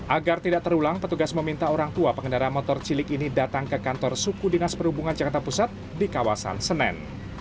agar tidak terulang petugas meminta orang tua pengendara motor cilik ini datang ke kantor suku dinas perhubungan jakarta pusat di kawasan senen